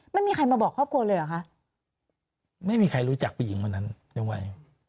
ไม่มีใครมาบอกครอบครัวเลยเหรอคะไม่มีใครรู้จักผู้หญิงคนนั้นยังไง